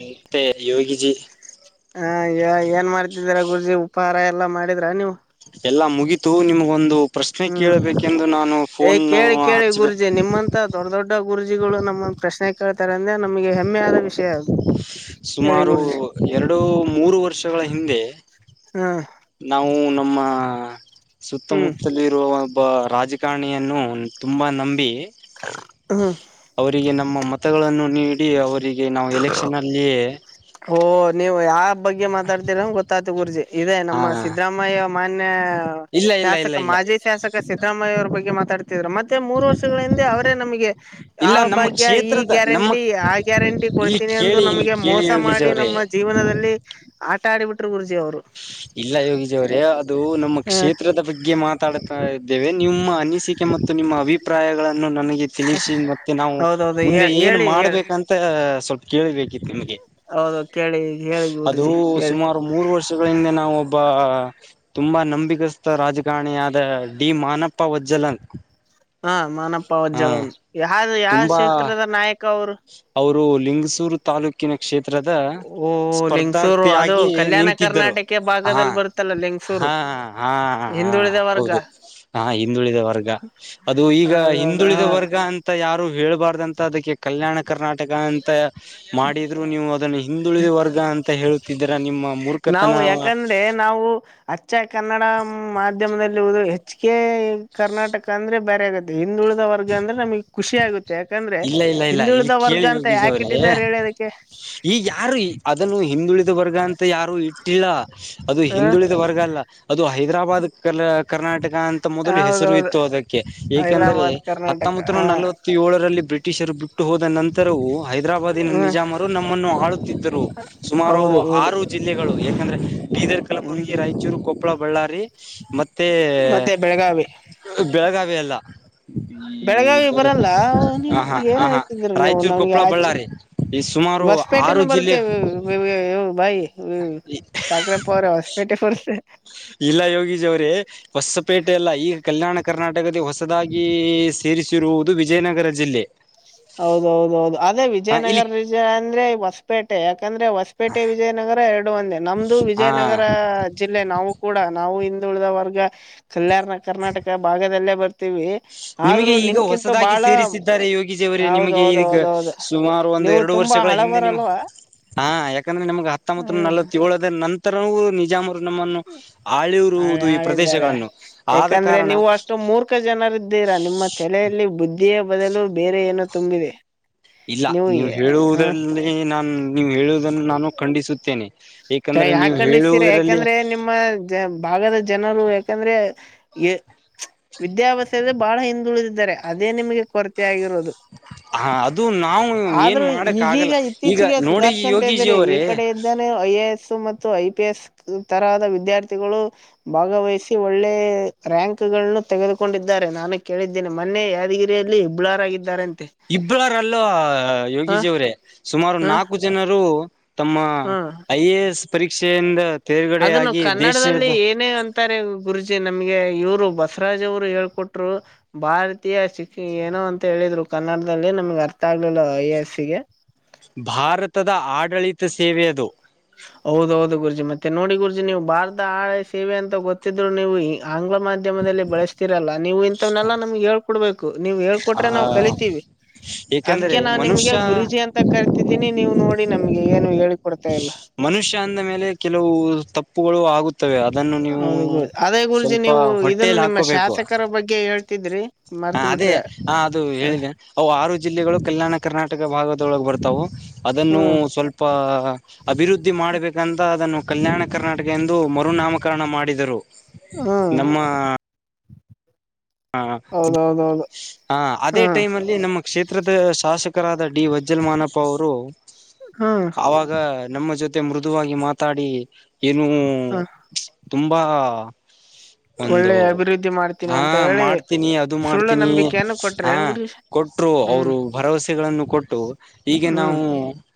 ಮತ್ತೆ ಯೋಗಿಜಿ ಹ ಏನ್ ಮಾಡ್ತಿದ್ದೀರ ಗುರೂಜಿ ಉಪಹಾರ ಎಲ್ಲಾ ಮಾಡಿದ್ರ ನೀವು. ಎಲ್ಲಾ ಮುಗಿತು ನಿಮಗೊಂದು ಪ್ರಶ್ನೆ ಹ್ಮ್ ಕೇಳಬೇಕೆಂದು ನಾನು ಏ ಫೋನ್ ಕೇಳಿ ಕೇಳಿ ಹಚ್ಚಬೆ ಗುರೂಜಿ ನಿಮ್ಮಂತ ದೊಡ್ಡ ದೊಡ್ಡ ಗುರೂಜಿಗಳು ನಮ್ಮನ್ನ ಪ್ರಶ್ನೆ ಕೇಳ್ತಾರೆ ಅಂದ್ರೆ ನಮಗೆ ಹೆಮ್ಮೆ ಆದ ವಿಷಯ ಅದು. ಕೇಳಿ ಸುಮಾರು ಗುರುಜಿ ಎರಡು ಮೂರು ವರ್ಷಗಳ ಹಿಂದೆ. ಹ್ಮ್ ನಾವು ನಮ್ಮ ಹ್ಮ್ ಸುತ್ತಮುತ್ತಲಿ ಇರುವ ಒಬ್ಬ ರಾಜಕಾರಣಿಯನ್ನು ತುಂಬ ನಂಬಿ. ಹ್ಮ್ ಅವರಿಗೆ ನಮ್ಮ ಮತಗಳನ್ನು ನೀಡಿ ಅವರಿಗೆ ನಾವು ಎಲೆಕ್ಷನ್ ಅಲ್ಲಿ. ಓ ನೀವು ಯಾವ ಬಗ್ಗೆ ಮಾತಾಡ್ತಿರ ಅಂತ ಗೊತ್ತಾಯ್ತು ಗುರೂಜಿ ಇದೇ ಹಾ ನಮ್ಮ ಸಿದ್ದರಾಮಯ್ಯ ಮಾನ್ಯ ಇಲ್ಲ ಇಲ್ಲ ಇಲ್ಲ ಶಾಸಕ ಇಲ್ಲ ಮಾಜಿ ಶಾಸಕ ಸಿದ್ದರಾಮಯ್ಯ ಅವರ ಬಗ್ಗೆ ಮಾತಾಡ್ತಿದ್ರ ಮತ್ತ್ ತ್ತೆ ಮೂರು ವರ್ಷಗಳ ಹಿಂದೆ ಅವರೇ ನಮಗೆ ಆ ಇಲ್ಲ ನಮ್ಮ ಭಾಗ್ಯ ಈ ಕ್ಷೇತ್ರದ ನಮ್ಮ ಗ್ಯಾರಂಟಿ ಆ ಗ್ಯಾರಂಟಿ ಇಲ್ಲಿ ಕೊಡ್ತೀನಿ ಅಂದು ಕೇಳಿ ಇಲ್ಲಿ ನಮಗೆ ಕೇಳಿ ಮೋಸ ಯೋಗೀಶ್ ಮಾಡಿ ಅವ್ರೇ ನಮ್ಮ ಜೀವನದಲ್ಲಿ ಆಟ ಆಡಿಬಿಟ್ರು ಗುರೂಜಿ ಅವರು. ಇಲ್ಲ ಯೋಗೀಜಿ ಅವರೇ ಅದು ನಮ್ಮ ಹ ಕ್ಷೇತ್ರದ ಬಗ್ಗೆ ಮಾತ್ ಮಾತಾಡತಾ ಇದ್ದೇವೆ ನಿಮ್ಮ ಅನಿಸಿಕೆ ಮತ್ತು ನಿಮ್ಮ ಅಭಿ ಪ್ರಾಯಗಳನ್ನು ನನಗೆ ತಿಳಿಸಿ ಮತ್ತೆ ನಾವು ಹೌದೌದು ಮುಂದೆ ಹೇಳ ಏನ್ ಹೇಳಿ ಹೇಳಿ ಮಾಡ್ಬೇಕಂತ ಸ್ವಲ್ಪ ಕೇಳಿಬೇಕಿತ್ತು ನಿಮಗೆ. ಹೌದು ಕೇಳಿ ಹೇಳಿ ಅದು ಗುರೂಜಿ ಹೇಳಿ. ಸುಮಾರು ಮೂರು ವರ್ಷಗಳ ಇಂದ ನಾವು ಒಬ್ಬ ತುಂಬಾ ನಂಬಿಕಸ್ಥ ರಾಜಕಾರಣಿಯಾದ ಡಿ ಮಾನಪ್ಪ ವಜ್ಜಲನ್. ಹಾ ಮಾನಪ್ಪ ಹಾ ವಜ್ಜಲನ್ ಯಾ ಯಾವ ತುಂಬಾ ಕ್ಷೇತ್ರದ ನಾಯಕ ಅವರು. ಅವರು ಲಿಂಗಸೂರ್ ತಾಲೂಕ್ ಕ್ಕಿನ ಕ್ಷೇತ್ರದ ಓ ಲಿಂಗಸೂರು ಅದು ಸ್ಪರ್ಧಾರ್ಥಿಯಾಗಿ ಕಲ್ಯಾಣ ನಿಂತಿದ್ದರು ಕರ್ನಾಟಕ ಹ. ಭಾಗದಲ್ಲಿ ಬರುತ್ತಲ್ಲ ಲಿಂಗಸೂರು ಹಾ ಹಾ ಹಾ ಹಿಂದುಳಿದ ವರ್ಗ ಹೌದು ಹಾ ಹಿಂದುಳಿದ ವರ್ಗ ಅದು. ಈಗ ಹೌದೌದು ಹ ಹಿಂದುಳಿದ ವರ್ಗ ಅಂತ ಯಾರು ಹೇಳ್ಬಾರ್ದಂತ ಅದಕ್ಕೆ ಕಲ್ಯಾಣ ಕರ್ನಾಟಕ ಅಂತ. ಮಾಡಿದ್ರು ನೀವು ಅದನ್ನು ಹಿಂದುಳಿದ ವರ್ಗ ಅಂತ ಹೇಳುತ್ತಿದ್ದರ ನಿಮ್ಮ ಮುರ್ಖ ನಾವು ಯಾಕಂದ್ರೆ ನಾವು ಅಚ್ಚ ಕನ್ನಡ ಮಾಧ್ಯಮದಲ್ಲಿ ದು ಹೆಚ್ಚ್ ಕೆ ಕರ್ನಾಟಕ ಅಂದ್ರೆ ಬೇರೆ ಆಗುತ್ತೆ ಹಿಂದುಳಿದ ವರ್ಗ ಅಂದ್ರೆ ನಮಗೆ ಖುಷಿ ಆಗುತ್ತ್ ತ್ತೆ ಯಾಕಂದ್ರೆ ಇಲ್ಲ ಇಲ್ಲ ಇಲ್ಲ ಹಿಂದುಳಿದ ಇಲ್ಲಿ ವರ್ಗ ಕೇಳಿ ಅಂತ ಯೋಗೀಶ್ ಯಾಕ ಅವ್ರೇ ಇಟ್ಟಿದ್ದಾರೆ ಹೇಳು ಅದಕ್ಕೆ. ಈಗ ಯಾರು ಅದನ್ನು ಹಿಂದುಳಿದ ವರ್ಗ ಅಂತ ಯಾರು ಇಟ್ಟಿಲ್ಲ ಅದು ಹ ಹಿಂದುಳಿದ ವರ್ಗ ಅಲ್ಲ. ಅದು ಹೈದರಾಬಾದ್ ಕಲ ಕರ್ನಾಟಕ ಅಂತ ಮೊದಲು ಹೆಸರು ಹೌದೌದು ಇತ್ತು ಅದಕ್ಕೆ ಏಕಂದರೆೆ. ಹೈದ್ರಾಬಾದ್ ಕರ್ನಾಟಕ ಹತ್ತೊಂಬತ್ತು ಹ ನಲವತ್ತು ಏಳರಲ್ಲಿ ಬ್ರಿಟಿಷರು ಬಿಟ್ಟು ಹೋದ ನಂತರವೂ ಹೈದರಾಬಾದಿನ ಹ ನಿಜಾಮರು ನಮ್ಮನ್ನು ಆಳುತ್ತಿದ್ [unintelligible] ಸುಮಾರು ಹೌದು ಹೌದು ಆರು ಜಿಲ್ಲೆಗಳು ಯಾಕಂದ್ರೆ ಬೀದರ್ ಕಲಬುರಗಿ ಹ್ಮ್ ರಾಯಚೂರು ಕೊ ಪ್ಪಳ ಬಳ್ಳಾರಿ ಮತ್ ಮತ್ತೆ ಬೆಳಗಾವಿ. ಬೆಳಗಾವಿ ಅಲ್ಲ ಈ ಇ ಬೆಳಗಾವಿ ಇದದು ಬರಲ್ಲ ನೀವು ಹಾ ಹಾ ಏನ್ ಹಾ ಹಾ ಹೇಳ್ತಿದೀರಿ ನೀವು ರಾಯಚೂರು ನನ್ಗೆ ಕೊಪ್ಪಳ ಆಚೆ ಬಳ್ಳಾರಿ ಈ ಸುಮಾರು ಆರು ಜಿಲ್ಲೆ [unintelligible] ಬಾಯ್ ಹು ಠಾಕ್ರೆಪ್ಪ ಅವರೆ ಹೊಸಪೇಟೆ ಪರ್ಸ ಇಲ್ಲ ಯೋಗಿಶ್ ಅವ್ರೇ ಹೊಸಪೇಟೆ ಅಲ್ಲ ಈಗ ಕಲ್ಯಾಣ ಕರ್ನಾಟಕದ ಹೊಸದಾಗಿ ಸೇರಿಸಿರುವುದು ವಿಜಯನಗರ ಜಿಲ್ಲೆ. ಹೌದು ಹೌದು ಹೌದು ಅದೇ ಹ ಇಲ್ಲಿ ವಿಜಯನಗರವಿಜಯ ಅಂದ್ರೆ ಹೊಸಪೇಟೆ ಯಾಕಂದ್ರೆ ಹೊಸ ಪೇಟೆ ವಿಜಯನಗರ ಎರಡು ಒಂದೇ ನಮ್ದು ಹಾ ವಿಜಯನಗರ ಜಿಲ್ಲೆ ನಾವು ಕೂಡ ನಾವು ಹಿಂದುಳಿದ ವರ್ಗ ಕಲ್ಯಾಣ ಕರ್ನಾಟಕ ಭಾಗದಲ್ಲೇ ಬರ್ ನಿಮಗೆ ಈಗ ಹೊಸದಾಗಿ ಸೇರಿಸಿದ್ದಾರೆ ಯೋಗಿ ಶ್ ಅವರೆ ನಿಮಗೆ ಈಗ ಹೌದೌದೌದೌದು ಸುಮಾರು ಒಂದು ನೀವು ಎರಡು ತುಂಬಾ ವರ್ಷಗಳ ಹಿಂದೆ ನಿಮ್ಮ ಹಳಬರಲ್ವಾ ಹಾ ಯಾಕಂದ್ರ ನಮಗ ಹತ್ತೋಂಬತ್ತುನೂರಾ ಹ್ಮ್ ನಲ್ವತ್ತೇಳರ ನಂತರವೂ ನಿಜಾಮ ನಮ್ಮನ್ನು ಹಳೆ ಆಳಿರುವುದು ಈ ಆಳಿದ್ದಾರೆ ಪ್ರದೇಶಗಳನ್ನು ಆದ ಕಾರಣ ಎಷ್ಟು ಜನರು ಇದ್ದೀರಾ ನಿಮ್ಮ ತಲೆಯಲ್ಲಿ ಬುದ್ಧಿಯ ಬದಲು ಬೇರೆ ಏನೋ ತುಂಬಿದೆ. ಇಲ್ಲ ನೀವು ಹ ಹೇಳುವುದಲ್ಲಿ ನಾನ ನೀವು ಹೇಳುವುದನ್ನು ನಾನು ಖಂಡಿಸುತ್ತೇನೆ. ಎಕಂದ್ರೆ ನೀವು ಹೇಳುವುದ್ರಲ್ಲಿ ನಮ್ಮ ಜ ಭಾಗದ ಜನರು ಯಾಕಂದ್ರೆ ಯ ವಿದ್ಯಾಭ್ಯಾಸದಲ್ಲಿ ಬಹಳ ಹಿಂದುಳಿದಿದ್ದಾರೆ ಅದೇ ನಿಮಗೆ ಕೊರತೆ ಆಗಿರೋದು. ಹ ಅದು ನಾವು ಏನ್ ಆದ್ರೂ ಮಾಡಕ್ ಆಗಲ್ಲ ಈಗೀಗ ಈಗ ಇತ್ತೀಚಿಗೆ ನೋಡಿ ಸುಧಾರಸ್ಕಂತ ಯೋಗೀಜಿ ಇದ್ದಾರೆ ಈ ಅವರೇ ಕಡೆ [unintelligible] ಮುಂಜಾನೆ ಐ ಎ ಎಸ್ ಮತ್ತು ಐ ಪಿ ಎಸ್ ಈ ತರಹದ ವಿದ್ಯಾರ್ಥಿಗಳು ಭಾಗವಹಿಸಿ ಒಳ್ಳೆ ರ‌್ಯಾಂಕಗಳನ್ನು ತೆಗೆದುಕೊಂಡಿದ್ದಾರೆ ನಾನು ಕೇಳಿದ್ [unintelligible] ಮೊನ್ನೆ ಯಾದಗಿರಿಯಲ್ಲಿ ಇಬ್ಬಳಾರಾಗಿದ್ದಾರೆ ಅಂತೆ. ಇಬ್ಬಳಾರಲ್ಲ ಯೋಗಿಜಿ ಅವ್ರೇ ಸುಮಾರು ಹ ನಾಲ್ಕು ಜನರು ತಮ್ಮ ಹ ಐ ಎ ಎಸ್ ಪರೀಕ್ಷೆಯಿಂದ ಅದನ್ನು ನಾವು ತೇರ್ಗಡೆಯಾಗಿ ಕನ್ನಡದಲ್ಲಿ ದೇಶದ ಏನೇ ಅಂತ ಅಂತಾರೆ ಗುರುಜಿ ನಮಗೆ ಇವರು ಬಸವರಾಜ್ ಅವರು ಹೇಳಕೊಟ್ರು. ಭಾರತೀಯ ಶಿಕ್ ಏನೋ ಅಂತ ಹೇಳಿದ್ರು ಕನ್ನಡದಲ್ಲಿ ನಮ್ಗೆ ಅರ್ಥ ಆಗ್ಲಿಲ್ಲ ಐ ಎ ಎಸ್ ಗೆ. ಭಾರತದ ಆಡಳಿತ ಸೇವೆೆ ಅದು. ಹೌದೌದು ಗುರೂಜಿ ಮತ್ತೆ ನೋಡಿ ಗುರೂಜಿ ನೀವು ಭಾರತ ಹಳೆ ಸೇವೆ ಅಂತ ಗೊತ್ತಿದ್ರು ನೀವು ಈ ಆಂಗ್ಲ ಮಾಧ್ಯಮದಲ್ಲಿ ಬಳಸ್ತಿರಲ್ಲಾ ನೀವು ಇಂತಹವ್ನೆಲ್ಲ ನಮ್ಗೆ ಹೇಳ ಕೊಡ್ಬೇಕು ನೀವು ಆ ಹೇಳ್ಕೊಟ್ರೆ ನಾವು ಕಲಿತೀವಿ ಅದಕ್ಕೆ ಏಕೆಂದರೆ ನಾನ್ ನಿಮಗೆ ಮನುಷ್ಯ ಗುರೂಜಿ ಅಂತ ಕರ್ತಿದ್ದೀನಿ ನೀವು ನೋಡಿ ನಮ್ಗೆ ಏನು ಹೇಳಿಕೊಡ್ತಾ ಇಲ್ಲ. ಮನುಷ್ಯ ಅಂದ ಮೇಲೆ ಕೆಲವು ತಪ್ಪುಗಳು ಆಗುತ್ತ ತ್ತವೆ ಅದನ್ನು ನೀವು ಹೌದು ಗು ಅದೇ ಗುರುಜಿ ಸ್ವಲ್ಪ ನೀವು ಇದನ್ನ ಹೊಟ್ಟೇೆಯಲ್ಲಿ ನಿಮ್ಮ ಹಾಕೋಬೇಕು. [unintelligible] ಬಗ್ಗೆ ಹೇಳ್ತಿದ್ರಿ. ಹಾ ಮರ್ತ್ ಅದೇ ಬಿಟ್ರಿ ಹ ಅದು ಹೇಳಿದ? ಅವು ಆರು ಜಿಲ್ಲೆಗಳು ಕಲ್ಯಾಣ ಕರ್ನಾಟಕ ಭಾಗದೊಳಗ ಬರ್ತಾವು ಅದನ್ನು ಹ್ಮ್ ಸ್ವಲ್ಪ ಅಭಿವೃದ್ಧಿ ಮಾಡ್ಬೇಕಂತ ಅದನ್ನು ಕಲ್ಯಾಣ ಕರ್ನಾಟಕ ಎಂದು ಮರುನಾಮಕರಣ ಮಾಡಿದರು. ಹ್ಮ್ ನಮ್ಮ ಹಾ ಹೌದೌದೌದು ಹಾ ಅದೇ ಹ್ಮ್ ಟೈಮ್ ಅಲ್ಲಿ ನಮ್ಮ ಕ್ಷೇತ್ರದ ಶಾಸಕರಾದ ಡಿ ವಜ್ಜಲ್ ಮಾನಪ್ಪ ಅವರು ಹ್ಮ್ ಆವಾಗ ಗ ನಮ್ಮ ಜೊತೆ ಮೃದುವಾಗಿ ಮಾತಾಡಿ ಏನು ಹ್ಮ್ ತುಂಬಾ ಒಂದು ಒಳ್ಳೆ ಅಭಿವೃದ್ಧಿ ಮಾಡ್ತೀನಿ ಹ. ಅಂತ ಹೇಳಿ ಮಾಡ್ತೀನಿ ಅದು ಸುಳ್ಳು ಮಾಡ್ತೀನಿ ನಂಬಿಕೆಯನ್ನು ಕೊಟ್ರಿ ಹಾ. ಏನ್ ಗುರುಜಿ [unintelligible] ಕೊಟ್ಟರು ಹ್ಮ್ ಅವರು ಭರವಸೆಗಳನ್ನು ಕೊಟ್ಟು ಹೀಗೆ ಹ್ಮ್ ನಾವು? [unintelligible]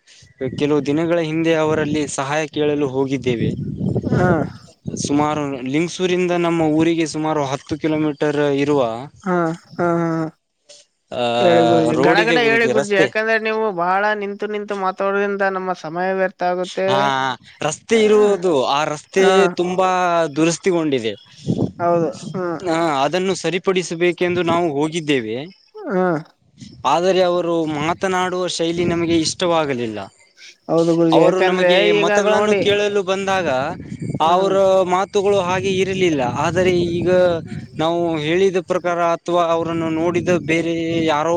ಕೆಲವು ದಿನಗಳ ಹಿಂದೆ ಅವರಲ್ಲಿ ಸಹಾಯ ಕೇಳಲು ಹೋಗಿದ್ದೇವೆ. [unintelligible] ಹಾ. [unintelligible] ಸುಮಾರು ಲಿಂಗಸೂರಿಂದ ನಮ್ಮ ಊರಿಗೆ ಸುಮಾರು ಹತ್ತು ಕಿಲೋಮೀಟರ್ ಇರುವ, [unintelligible] ಹಾ ಹಾ ಹೇಳಿ ಅಹ ಗುರೂಜಿ ಗಡ ರೋಡ್ ಗಡ ಇದೆ ಹೇಳಿ ಗುರುಜಿ ಗುರೂಜಿ ರಸ್ತೆ ಯಾಕಂದ್ರೆ, [unintelligible] ನೀವು ಬಹಳ ನಿಂತು ನಿಂತು ಮಾತಾಡೋದಿಂದ ನಮ್ಮ ಸಮಯ ವ್ಯರ್ಥ [unintelligible] ಹಾ ರಸ್ತೆ ಇರುವುದು ಆ ರಸ್ತೆ ಹ ತುಂಬಾ ದುರಸ್ತಿಗೊಂಡಿದೆ. [unintelligible] ಹೌದು? [unintelligible] ಹಾ ಅದನ್ನು ಸರಿಪಡಿಸಬೇಕೆಂದು ನಾವು ಹೋಗಿದ್ದೇವೆ. [unintelligible] [unintelligible] ಆದರೆ ಅವರು ಮಾತನಾಡುವ ಶೈಲಿ ನಮಗೆ ಇಷ್ಟವಾಗಲಿಲ್ಲ. ಹೌದು [unintelligible] ಗುರುಜಿ ಅವರು ಯಾಕಂದ್ರೆ ನಮಗೆ ಈಗ ಮತಗಳನ್ನು ನೋಡಿ ಕೇಳಲು. [unintelligible] ಬಂದಾಗ ಹ್ಮ್ ಅವರು ಮಾತುಗಳು ಹಾಗೆ ಇರಲಿಲ್ಲ. [unintelligible] ಆದರೆ ಈಗ ನಾವು ಹೇಳಿದ [unintelligible] ಪ್ರಕಾರ ಅಥವಾ ಅವರನ್ನು ನೋಡಿದ ಬೇರೆ ಯಾರೋ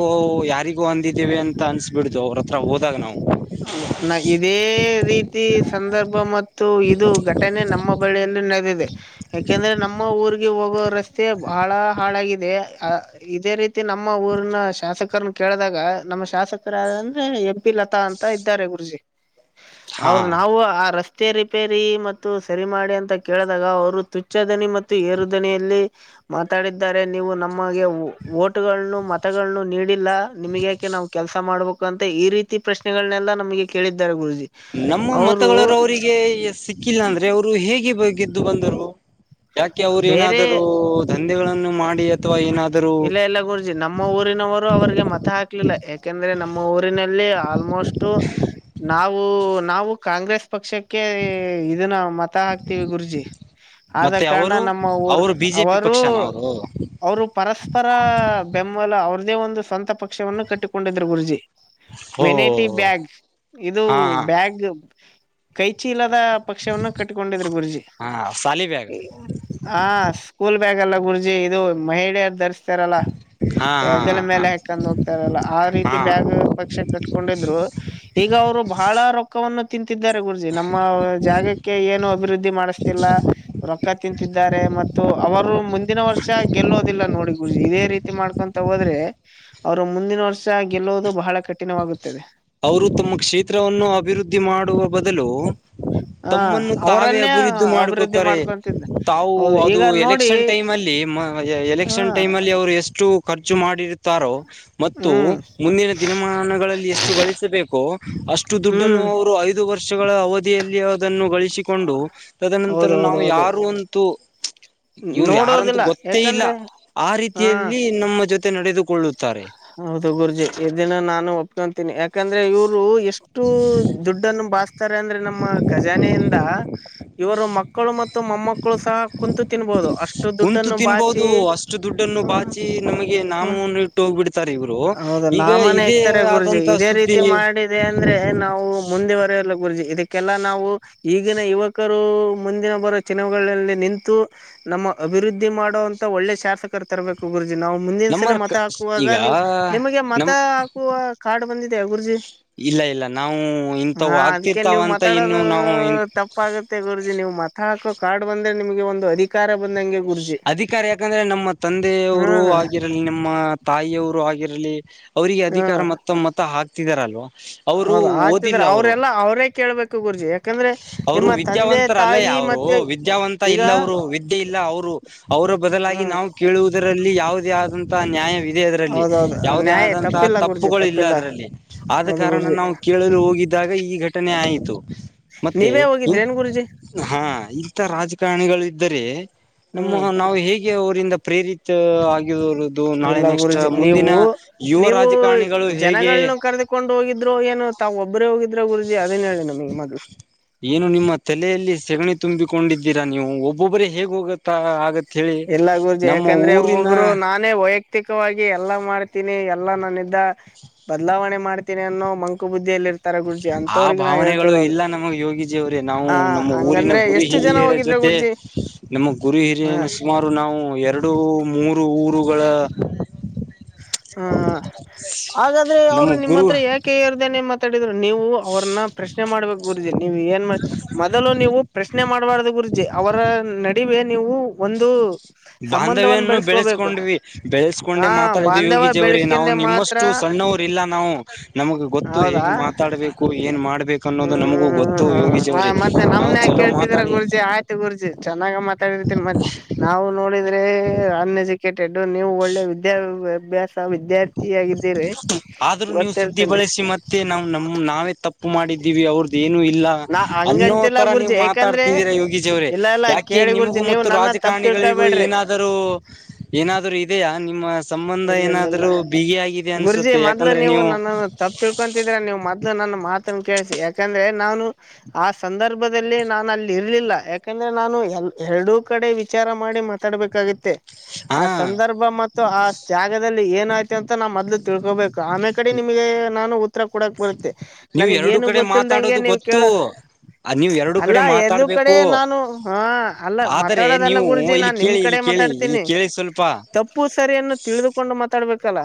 ಯಾರಿಗೂ ಅಂದಿದ್ದೇವೆ ಅಂತ ಅನ್ಸ [unintelligible] ಬಿಡ್ತು ಅವರ ಹತ್ರ ಹೋದಾಗ ನಾವು? [unintelligible] ನನಗ ಇದೇ ರೀತಿ ಸಂದರ್ಭ ಮತ್ತು ಇದು ಘಟನೆ ನಮ್ಮ [unintelligible] ಹುಬ್ಬಳ್ಳಿಯಲ್ಲಿ ನವಿದಿದೆ. [unintelligible] ಯಾಕೆಂದ್ರೆ ನಮ್ಮ ಊರಿಗೆ ಹೋಗೋ ರಸ್ತೆ ಬಾಳ ಹಾಳಾಗಿದೆ ಅ [unintelligible] ಇದೇ ರೀತಿ ನಮ್ಮ ಊರಿನ ಶಾಸಕರನ್ನ ಕೇಳಿದಾಗ ನಮ್ಮ ಶಾಸಕರ ಯಾರ್ ಅಂದ್ರೆ ಎಂ ಪಿ ಲತಾ ಅಂತ [unintelligible] ಹತ್ತಾ ಇದ್ದಾರೆ ಗುರುಜಿ ಹಾ ಅವರು ನಾವು ಆ ರಸ್ [unintelligible] ರಸ್ತೆ ರಿಪೇರಿ ಮತ್ತು ಸರಿ ಮಾಡಿ ಅಂತ ಕೇಳಿದಾಗ ಅವರು ತುಚ್ಚ ದಣಿ ಮತ್ತು ಏರು ದನಿಯಲ್ಲಿ, [unintelligible] ಮಾತಾಡಿದ್ದಾರೆ ನೀವು ನಮಗೆ ಓಟಗಳನ್ನು ಮತಗಳನ್ನು ನೀಡಿಲ್ಲ ನಿಮಗೆ ಏಕೆ ನಾವ್ [unintelligible] ಕೆಲಸ ಮಾಡಬೇಕ ಅಂತ ಈ ರೀತಿ ಪ್ರಶ್ನೆಗಳನ್ನನೆಲ್ಲಾ ನಮಗೆ ಕೇಳಿದ್ದಾರೆ ಗುರುಜಿ. [unintelligible] ನಮ್ಮ ಅವರು ಮತಗಳ ಅವ್ರರಿಗೆ ಈ ಸಿಕ್ಕಿಲ್ಲ ಅಂದ್ರೆ ಅವ್ರು ಹೇಗೆ ಭಗೀ ಗೆದ್ದು ಬಂದರು. [unintelligible] ಯಾಕೆ ಅವರು ಬೇರೆ ಏನಾದರೂ ದಂಧೆಗಳನ್ನು ಮಾಡಿ [unintelligible] ಏನಾದರೂ ಇಲ್ಲೇ ಎಲ್ಲಾ ಕೂರಿ [unintelligible] ನಮ್ಮ ಊರಿನವರು ಅವ್ರಿಗೆ ಮತ ಹಾಕಲ್ಲಿಲ್ಲ ಏಕೆಂದ್ರೆ ನಮ್ಮ ಊರಿನಲ್ಲಿ ಆಲ್ಮೋಸ್ಟ್ [unintelligible] ನಾವು ನಾವು ಕಾಂಗ್ರೆಸ್ ಪಕ್ಷಕ್ಕೆ ಇದನ್ನ ಮತ್ [unintelligible] ಮತ ಹಾಕ್ತಿವಿ ಗುರೂಜಿ ಆದ ಮತ್ತೆ ಕಾರಣ ಅವರು ನಮ್ಮ ಊರ್ ಅವರು ಬಿಜೆಪಿ ಅವರು ಪಕ್ಷನ ಅವರು [unintelligible] ಅವರು ಪರಸ್ಪರ ಬೆಂಬಲ ಅವ್ರ್ದೇ ಒಂದು ಸ್ವಂತ ಪಕ್ಷವನ್ನು ಕಟ್ಟಿಕೊಂಡಿದ್ರು ಗುರೂಜಿ. [unintelligible] ಓ ವೆನೇಟಿ ಬ್ಯಾಗ್ ಇದು ಹಾ ಹಾ ಬ್ಯಾಗ್ [unintelligible] ಕೈಚೀಲದ ಪಕ್ಷವನ್ನು ಕಟ್ಕೊಂಡಿದ್ರರು ಗುರೂಜಿ. ಹಾ ಸಾಲಿಬ್ಯಾಗ್ [unintelligible] ಹಾ ಸ್ಕೂಲ್ ಬ್ಯಾಗ್ ಅಲ್ಲ ಗುರೂಜಿ ಇದು ಮಹಿಳೆಯರ ದರ್ [unintelligible] ಹಚ್ಚರಲ್ಲ ಹಾ ಯಂಜಲ್ ಹಾ ಹಾ ಮೇಲೆ ಹಕ್ಕೊಂಡ್ ಹೋಗ್ತಾರಲ್ಲ ಆ ಹಾ ರೀತಿ ಹಾ ಬ್ಯಾಗ್ [unintelligible] ಪಕ್ಷ ಕಟ್ಕೊಂಡಿದ್ರು ಈಗ ಅವ್ರು ಬಹಳ ರೊಕ್ಕವನ್ನ [unintelligible] ತಿಂತಿದ್ದಾರೆ ಗುರೂಜಿ ನಮ್ಮ ಜಾಗಕ್ಕೆ ಏನು ಅಭಿವೃದ್ಧಿ ಮಾಡಿಸ್ತಿಲ್ಲ ರೊಕ್ಕ ತಿಂತಿದ್ದ [unintelligible] ದ್ದಾರೆ ಮತ್ತು ಅವರು ಮುಂದಿನ ವರ್ಷ ಗೆಲ್ಲೋದಿಲ್ಲ ನೋಡ. [unintelligible] ಗುರೂಜಿ ಇದೇ ರೀತಿ ಮಾಡ್ಕೊಂತ ಹೋದರೇ? [unintelligible] ಅವರು ಮುಂದಿನ ವರ್ಷ ಗೆಲ್ಲುವುದು ಬಹಳ ಕಠಿಣವಾಗುತ್ತಿದೆ. [unintelligible] ಅವರು ತಮ್ಮ ಕ್ಷೇತ್ರವನ್ನು ಅಭಿವೃದ್ಧಿ ಮಾಡುವ ಬದಲು [unintelligible] [unintelligible] ತಮ್ಮನ್ನು ತಾವೇ ಅವರನ್ನೇ ಅಭಿವೃದ್ಧಿ ಅಭಿವೃದ್ಧಿ ಮಾಡ್ಕೊತಾರೆ ಮಾಡ್ಕೊಂತಿದ್ದ ತಾವು ಹೌದು ಅದು ಈಗ ನೋಡಿ ಎಲೆಕ್ಷನ್ ಟೈಮ್ ಅಲ್ಲಿ ಮ [unintelligible] ಹ ಎಲೆಕ್ಷನ್ ಟೈಮ್ ಅಲ್ಲಿ ಅವ್ರು ಎಷ್ಟು? [unintelligible] ಖರ್ಚು ಮಾಡಿರುತ್ತಾರೋ ಮತ್ತು ಹ್ಮ್ ಮುಂದಿನ ದಿನಮಾನಗಳಲ್ಲಿ ಎಷ್ಟ್ ಗಳಿಸಬೇಕು ಅಷ್ಟು ದುಡ್ಡನ್ನು ಹ್ಮ್ ಅವರು ಐದು ವರ್ಷಗಳ ಅವಧಿಯಲ್ಲಿ ಅದನ್ನೂ ಗಳಿಸಿ ಕೊಂಡು ತದನಂತರ ನಾವು ಹೌದೌದೌದು ಯಾರು ಅಂತೂ ಇವರು ಯಾರಂತ ನೋಡೋದಿಲ್ಲ ಗೊತ್ತೇ ಇಲ್ಲ ಯಾಕಂದ್ರೆ ಆ ಹಾ ರೀತಿಯಲ್ಲಿ ನಮ್ಮ ಜೊತೆ ನಡೆದುಕೊಳ್ಳುತ್ತಾರೆ. ಹೌದು ಗುರೂಜಿ ಇದನ್ನ ನಾನು ಒಪ್ಕೊಂತೀನಿ ಯಾಕಂದ್ರೆ ಇವರು ಎಷ್ಟು ದುಡ್ಡನ್ನು ಬಾಸ್ ತಾರೆ ಅಂದ್ರೆ ನಮ್ಮ ಖಜಾನೆಯಿಂದ ಇವರು ಮಕ್ಕಳು ಮತ್ತು ಮೊಮ್ಮಕ್ಕಳು ಸಹ ಕುಂತು ತಿನ್ಬಹುದು ಅಷ್ಟು ಕುಂತು ದುಡ್ಡನ್ನು ಬಾಚಿ ತಿನ್ಬಹುದು ಅಷ್ಟು ದುಡ್ಡನ್ನು ಬಾಚಿ ನಮಗೆ ನಾಮವನ್ನು ಇಟ್ಟು ಹೋಗ್ಬಿಡ್ತಾರೆ ಇವರು ಹೌದ ಈಗ ನಾಮನೆ ಇದೇ ಇಕ್ತಾರೆ ಗುರೂಜಿ ಆದಂತ ಇದೇ ಸುದ್ದಿ ರೀತಿ ಮಾಡ್ ಮಾಡಿದೆ ಅಂದ್ರೆ ನಾವು ಮುಂದೆವರೆಲ್ಲ ಗುರೂಜಿ ಇದಕ್ಕೆಲ್ಲಾ ನಾವು ಈಗಿನ ಯುವಕರು ಮುಂದಿನ ಬರುವೋ ಚಿನವಗಳಲ್ಲಿ ನಿಂತು ನಮ್ಮ ಅಭಿವೃದ್ಧಿ ಮಾಡೋ ಅಂತ ಒಳ್ಳೆ ಶಾಸಕರು ತರಬೇಕು ಗುರೂಜಿ ನಾವು ಮುಂದಿನ ನಮ್ಮ ಸಲ ಮತ ಹಾಕ್- ವಾಗ ಈಗ ನೀವು ನಿಮಗೆ ಮತ ನಮ್ ಹಾಕುವ ಕಾರ್ಡ ಬಂದಿದೆಯಾ ಗುರೂಜಿ. ಇಲ್ಲ ಇಲ್ಲ ನಾವು ಇಂಥವು ಹಾ ಅದಕ್ಕೆ ಆಗ್ತಿರ್ತಾವ ನೀವು ಅಂತ ಇನ್ನು ಮಾತಾಡೋದು ನಾವು ತಪ್ಪ್ ಆಗುತ್ತೆ ಗುರೂಜಿ ನೀವು ಮತ ಹಾಕೋ ಕಾರ್ಡ್ ಬಂದ್ರೆ ನಿಮಗೆ ಒಂದು ಅಧಿಕ್ ಕಾರ ಬಂದಂಗೆ ಗುರುಜಿ ಅಧಿಕಾರ ಯಾಕಂದ್ರೆ ನಮ್ಮ ಹಾ ತಂದೆಯವರು ಆಗಿರಲಿ ನಮ್ಮ ತಾಯಿಯವರು ಆಗಿರಲಿ ಅವರಿಗೆ ಅಧಿಕಾರ ಮತ್ತ ಮತ ಹಾಕ್ತಿದಾರಲ್ವ. ಹೌದು ಹಾಕ್ತಿದ್ದಾರೆ ಅವ್ರೆಲ್ಲ ಅವ್ರೇ ಕೇಳ್ಬೇಕು ಗುರೂಜಿ. ಅವರು ವಿದ್ಯಾವಂತರ ಅಲ್ಲೇ ಅವರು ಮತ್ತೆ ವಿದ್ಯಾವಂತ ಈಗ ಇಲ್ಲ ಅವರು ವಿದ್ಯೆ ಇಲ್ಲ ಅವರು. ಅವರ ಬದಲಾಗಿ ಹ್ಮ್ ನಾವು ಕೇಳುವುದರಲ್ಲಿ ಯಾವುದೇ ಅದಂತಹ ತ ನ್ಯಾಯ ಇದೆ ಅದರಲ್ಲಿ ಹೌದೌದು ಯಾವುದೇ ನ್ಯಾಯ ಆದಂತಹ ತಪ್ಪಿಲ್ಲ ಗುರ್ಜಿ ತಪ್ಪುಗಳು ಇಲ್ಲ ತಪ್ಪಿಲ್ಲ ಅದರಲ್ಲಿ ಆದ ಹೌದು ಕಾರಣ ಗುರ್ಜಿ ನಾವು ಕೇಳಲು ಹೋಗಿದ್ದಾಗ ಈ ಘಟನೆ ಆಯಿತು ಮತ್ತೆ ನೀವೇ ಈ ಹೋಗಿದ್ರಿ ಏನ್ ಗುರುಜಿ ಹಾ ಇಂತ ರಾಜಕಾರಣಿಗಳು ಇದ್ದಾರೆ ನಮ್ಮ ಹ್ಮ್ ನಾವು ಹೇಗೆ ಅವರಿಂದ ಪ್ರೇರಿತ್ ಆಗಿರುದು ನಾಳೆ ಇಲ್ಲ ನೆಕ್ಸ್ಟ್ ಗುರುಜಿ ನೀವು ಮುಂದಿನ ಯುವ ರಾಜಕಾರಣಿಗಳು ಹೇಗೆ ಕೊಂಡ್ ಹೋಗಿದ್ರು ಏನೂ ತಾವು ಒಬ್ಬರೇ ಹೋಗಿದ್ರಾ ಗುರೂಜಿ ಅದನ್ನ ಹೇಳಿ ನಮಗೆ ಮೊದಲು. ಏನು ನಿಮ್ಮ ತಲೆಯಲ್ಲಿ ಸೆಗಣಿ ತುಂಬಿಕೊಂಡಿದ್ದೀರಾ ನೀವು ಒಬ್ಬೊಬ್ಬರೇ ಹೇಗ್ ಹೋಗಕ್ಕೆ ಆಗತ್ ಹೇಳಿ ಇಲ್ಲ ಗುರೂಜಿ ನಮ್ಮ ಯಾಕಂದ್ರೆ ಊರಿನ ಒಬ್ಬೊಬ್ಬರ ನಾಕ್ ನಾನೇ ವೈಯಕ್ತಿಕವಾಗಿ ಎಲ್ಲಾ ಮಾಡ್ತೀನಿ ಎಲ್ಲಾ ನಾನಿದ ಬದಲಾವಣೆ ಮಾಡ್ತೀನಿ ಅನ್ನೋ ಮಂಕ್ ಆ ಭಾವನೆಗಳು ಹೇಳ್ತಿರೋದು ಇಲ್ಲ ನಮಗೆ ಯೋಗಿಜಿಯವ್ರೇ ನಾವು ಹ ನಮ್ಮ ಊರಿನ ಹಂಗಂದ್ರೆ ಗುರು ಎಷ್ಟು ಜನ ಹಿರಿಯರ ಜ್ ಹೋಗಿದ್ರ ಜೊತೆ ಗುರ್ಜಿ ನಮ್ಮ ಗುರು ಹ ಹಿರಿಯನ ಸುಮಾರ್ ರು ನಾವು ಎರಡು ಮೂರು ಊರುಗಳ ಹಾ ಹಾಗಾದ್ರೆ ನಮ್ಮ ಅವರು ನಿಮ್ಮ ಗುರು ಹತ್ರ ಯಾಕ್ ಕೆ ಎರದನೆ ಮಾತಾಡಿದ್ರು ನೀವು ಅವ್ರನ್ನ ಪ್ರಶ್ನೆ ಮಾಡ್ಬೇಕ್ ಗುರೂಜಿ ನೀವು ಏನ್ ಮೊದಲು ನೀವು ಪ್ರಶ್ನೆ ಮಾಡಬಾರದ್ದು ಗುರೂಜಿ ಅವರ ನಡುವೆ ನೀವು ಒಂದು ಸಂಬಂಧವನ್ನು ಬಾಂಧವ್ಯನ್ನು ಬೆಳೆಸ್ಕೋಬೇಕು ಬೆಳೆಸ್ಕೊಂಡ್ವಿ ಬೆಳೆಸ್ಕೊಂಡೆ ಹಾ ಮಾತಾಡಿದ್ ಬಾಂಧವ ಯೋಗಿಜಿವ್ರೇ ನಾವು ಬೆಳೆಸ್ಕಂದೆ ಮಾತ್ರ ನಿಮ್ಮಷ್ಟು ಸಣ್ಣವರು ಇಲ್ಲ ನಾವು ನಮಗೆ ಗೊತ್ತು ಹೌದಾ ಹೇಗೆ ಮಾತಾಡ್ಬೇಕ್ ಕು ಏನ್ ಮಾಡ್ಬೇಕು ಅನ್ನೋದು ನಮಗೂ ಗೊತ್ತು ಹ್ಮ್ ಯೋಗೀಜಿ ಹ ಅವ್ರೇ ಮತ್ತೆ ನಮ್ನ ನಾವ್ ಯಾಕ ಚಲೋ ಕೇಳ್ತಿದೀರ ಮಾತಾಡಿ ಗುರ್ಜಿ ಆಯ್ತು ಗುರೂಜಿ ಚೆನ್ನಾಗೆ ಮಾತಾಡಿರ್ತೀನಿ ಮತ್ತ್ ನಾವು ನೋಡಿದ್ರೆ ಅನ್ ಎಜೂ ಕೇಟೆಡೂ ನೀವು ಒಳ್ಳೆ ವಿದ್ಯಾಭ್ಯಾಸ್ ಆದ್ರೂ ನೀವು ಸುದ್ದಿ ಗೊತ್ತಿರ್ತೇನೆ ಬಳಸಿ ಮತ್ತೆ ನಾವು ನಮ್ ನಾವೇ ತಪ್ಪ್ ಪ್ಪು ಮಾಡಿದ್ದೀವಿ ಅವ್ರದ್ದೂ ಏನು ಇಲ್ಲ ನಾ ಅನ್ನೋ ಹಂಗಂತಿಲ್ಲ ತರ ನೀವು ಗುರ್ಜಿ ಯಾಕಂದ್ರೆ ಮಾತಾಡ್ತಿದ್ದೀರಾ ಯೋಗಿಜಿ ಅವ್ರೇ ಇಲ್ಲ ಇಲ್ಲ ಯಾಕ್ [unintelligible] ಕೇಳಿ ನಿಮಗೂ ಗುರ್ಜಿ ನೀವು ಮತ್ತು ನನ್ನ ತಪ್ಪ ರಾಜಕಾರಣಿಗಳಿಗೂ ತಿಳ್ಕೊಬೇಡ್ರಿ ಏನಾದ ರೂ ಏನಾದರೂ ಇದೆಯಾ ನಿಮ್ಮ ಸಂಬಂಧ ಇಲ್ಲ ಇಲ್ಲ ಏನಾದ್ರೂ ಇಲ್ಲ ಆದ್ರು ಬಿಗಿ ಆಗಿದೆ ಗುರುಜಿ ಅನ್ಸುತ್ತೆ ಮೊದ್ಲು ಯಾಕಂದ್ರೆ ನೀವು ನನ್ನನ್ನು ತಪ್ಪ ತಿಳ್ಕೊತಿದ್ರೆ ನೀವು ಮೊದ್ಲು ನನ್ನ ಮಾತನ್ನು ಕೇಳಿಸಿ ಯಾಕಂದ್ರೆ ನಾನು ಆ ಸಂದರ್ಭ [unintelligible] ನಾ ಅಲ್ಲಿ ಇರ್ಲಿಲ್ಲ ಯಾಕಂದ್ರೆ ನಾನು ಎ ಎರಡೂ ಕಡೆ ವಿಚಾರ ಮಾಡಿ ಮಾತಾಡ್ಬೇಕಾಗತ್ತೆ ಆ ಹಾ ಸಂದರ್ಭ ಮತ್ತು ಆ ಜಾಗದಲ್ಲಿ ಏನಾಯ್ತಿತ ಅಂತ ನಾ ಮೊದ್ಲು ತಿಳ್ಕೋಬೇಕು ಆಮೆ ಕಡೆ ನಿಮಗೆ ನಾನು ಉತ್ತರ ಕೊಡಕ್ ಬರುತ್ತೆ ನೀವು ನನಗ ಎರಡು ಏನು ಕಡೆ ಗೊತ್ತಿಲ್ದಂಗೆ ಮಾತಾಡೋದು ನೀವ್ ಗೊತ್ತು ಕೇಳ ನೀವು ಎರಡು ಅಲ್ಲ ಕಡೆ ಎಡು ಕಡೆ ಮಾತಾಡ್ಬೇಕು ನಾನು ಹಾ ಅಲ್ಲ ಆದರೆ ಮಾತಾಡೋದಲ್ಲಾ ನೀವು ಗುರುಜಿ ಇಲ್ಲಿ ನಾನ್ ನಿಮ್ ಕೇಳಿ ಕಡೆ ಇಲ್ಲಿ ಕೇಳಿ ಮಾತಾಡ್ತ ಇಲ್ಲಿ ಕೇಳಿ ಸ್ವಲ್ಪ ತಪ್ಪು ಸರಿಯನ್ನು ತಿಳಿದುಕೊಂಡು ಮಾತಾಡ್ಬೇಕಲ್ಲಾ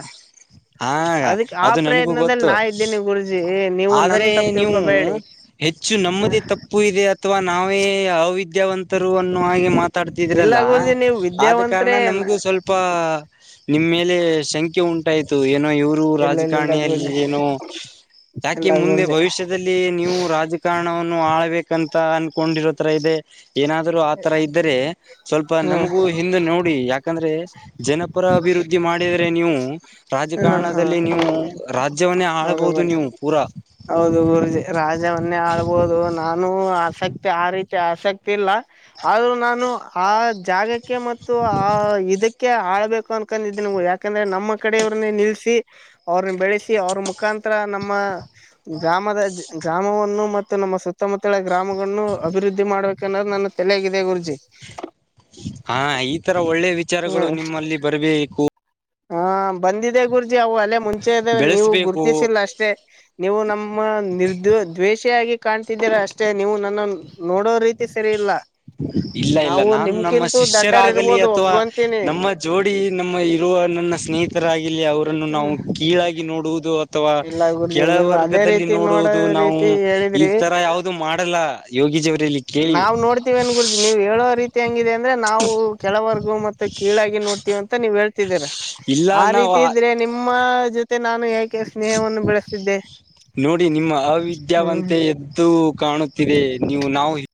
ಹಾ ಅದಕ್ ಆ ಅದು ನನ್ಗೂ ಪ್ರಯತ್ನದಲ್ಲಿ ಗೊತ್ತು ನಾ ಇದ್ದೇನಿ ಗುರುಜಿ ನೀವು ನನ್ ಆದರೆ ತಪ್ಪು ನೀವು ತಿಳ್ಕೊಬೇಡಿ ಹೆಚ್ಚು ಹ ನಮ್ಮದೇ ತಪ್ಪು ಇದೆ ಅಥವಾ ನಾವೇ ಅವಿದ್ಯಾವಂತರು ಅನ್ನು ಹಾಗೆ ಮಾತ್ ಇಲ್ಲ ತಡ್ತಿದ್ರಲ್ಲಾ ಗುರುಜಿ ನೀವು ಆದ ಕಾರಣ ವಿದ್ಯಾವಂತ್ರೆ ನಮಗೂ ಸ್ವಲ್ಪಾ ನಿಮ್ಮೇಲೆ ಸಂಖೆ ಉಂಟಾಯ್ತು ಏನೋ ಇವರ ನಿವು ಇಲ್ಲ ಇಲ್ಲ ಇಲ್ಲ ರಾಜಕಾರಣಿಯಲ್ಲಿ ಗುರುಜಿ ಏನು ಯಾಕೆ ಇಲ್ಲ ಮುಂದೆ ಗುರುಜಿ ಭವಿಷ್ಯ [unintelligible] ನೀವು ರಾಜಕಾರಣವನ್ನು ಆಳ್ಬೇಕಂತ ಅನ್ಕೊಂಡಿರೋ ತರಾ ಇದೆ ಏನಾದ ಆ ತರಾ ಇದ್ದರೆ ಸ್ವಲ್ಪ ಹ್ಮ್ ನಮಗೂ ಹಿಂದೆ ನೋಡಿ ಯಾಕಂದ್ರೆ ಜನಪರ ಅಭಿವೃದ್ಧಿ ಮಾಡಿದ್ರೆ ನೀವು ಹ್ಮ್ ಹ್ಮ್ ರಾಜಕಾರಣದಲ್ಲಿ ನೀವು ರಾಜ್ಯವನ್ನೇ ಹೌದು ಆಳ್ಬಹುದು ಗುರುಜಿ ನೀವು ಪೂರಾ. ಹೌದು ಗುರುಜಿ ರಾಜವನ್ನೇ ಆಳ್ಬೋದು ನಾನು ಆಸಕ್ತಿ ಆ ರೀತಿ ಆಸಕ್ತಿ ಇಲ್ಲಾ. ಆದ್ರೂ ನಾನು ಆ ಜಾಗಕ್ಕೆ ಮತ್ತು ಆ ಇದಕ್ಕೆ ಅಕ್ ಆಳ್ಬೇಕು ಅನ್ಕೊಂಡಿದ್ದಿನಿ ಯಾಕಂದ್ರೆ ನಮ್ಮ ಕಡೆ ಇವ್ರನ್ನೇ ನಿಲ್ಸಿ ಅವ್ರನ್ನ ಬೆಳೆಸಿ ಅವ್ರ ಮುಖಾಂತರ ನಮ್ಮ ಗ್ರಾಮದ ಗ್ರಾಮವನ್ನು ಮತ್ತು ನಮ್ಮ ಸುತ್ ಸತ್ತಮುತ್ತಲ ಗ್ರಾಮಗಳನ್ನು ಅಭಿವೃದ್ದಿ ಮಾಡ್ಬೇಕು ಅನ್ನೋದ್ ನನ್ನ ತಲೆಯಾಗ ಇದೆ ಗುರುಜಿ ಹಾ ಈ ತರಾ ಒಳ್ಳೆ ವಿಚಾರಗಳು ಹ್ಮ್ ನಿಮ್ಮಲ್ಲಿ ಬರಬೇಕು ಹಾ ಬಂದಿದೆ ಗುರುಜಿ ಅವು ಅಲ್ಲೇ ಮುಂಚೆ ನೀವು ಬೆಳೆಸ್ಬೇಕು ಗುರ್ತಿಸಿಲ್ಲಾ ಅಷ್ಟೇ ಮ ನೀವು ನಮ್ಮ ನಿರ್ದ ದ್ವೇಷಿಯಾಗಿ ಕಾಣ್ತಿದ್ದೀರಾ ಅಷ್ಟ ಅಷ್ ನೀವು ನನ್ನ ನೋಡೋ ರೀತಿ ಸರಿ ಇಲ್ಲಾ ಇಲ್ಲ ಇಲ್ಲ ನಾವು ನಾನು ನಮ್ಮ ನಿಮ್ಕಿಂತೂ ದೊಡ್ಡರ್ ಶಿಷ್ಯರಾಗಲಿ ಇರ್ಬೋದು ಅಥವಾ ಒಪ್ಕೊಂತೀನಿ ನಮ್ಮ ಜೋಡಿ ನಮ್ಮ ಇರುವ ನನ್ನ ಸ್ನೇಹಿತರಾಗಿಲಿ ಅವರನ್ನು ಹ್ಮ ನಾವು ಕೀಳಾಗಿ ನೋಡುವುದು ಅಥವಾ ಇಲ್ಲ ಗುರ್ಜಿ ಕೆಳ ನೀವು ಅದೇ ವರ್ಗದಲ್ಲಿ ರೀತಿ ನೋಡೋ ನೋಡುವುದು ನಾವು ರೀತಿ ಈ ಹೇಳಿದ್ರಿ ತರಾ ಯಾವುದು ಮಾಡಲ್ಲಾ ಯೋಗಜಿ ಅವರಲ್ಲಿ ನಾವ್ ನೋಡತ್ ಎನ್ ಗುರುಜಿ ನೀವು ಹೇಳೋ ರೀತಿ ಹೆಂಗಿದೆ ಅಂದ್ರೆ ನಾವು ಕೆಳ ವರ್ಗವೂ ಮತ್ತೆ ಕೀಳಾಗಿ ನೋಡ್ತೀವಿ ಅಂತ ನೀವು ಹೇಳ್ ಇಲ್ಲ ಆ ನಾವು ರೀತಿ ಇದ್ರೆ ನಿಮ್ಮ ಜೊತೆ ನಾನು ಯಾಕೆ ಸ್ನೇಹವನ್ನು ಬೆಳೆಸ್ತಿದ್ದೆ ನೋಡಿ ನಿಮ್ಮ ಹ್ಮ್ ಅವಿದ್ಯಾವಂತೆ ಎದ್ದು ಕಾಣುತ್ತಿದೆ ನೀವು ನಾವು